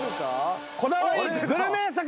『こだわりグル名作』！